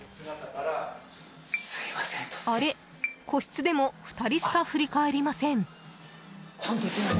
あれ、個室でも２人しか振り返りません。